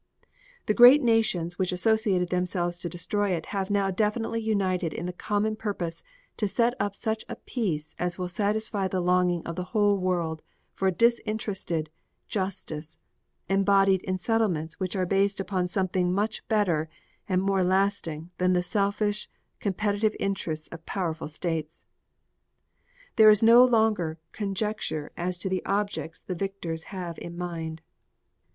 The great nations which associated themselves to destroy it have now definitely united in the common purpose to set up such a peace as will satisfy the longing of the whole world for disinterested justice, embodied in settlements which are based upon something much better and more lasting than the selfish competitive interests of powerful states. There is no longer conjecture as to the objects the victors have in mind.